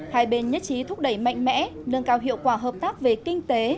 hai bên nhất trí thúc đẩy mạnh mẽ nâng cao hiệu quả hợp tác về kinh tế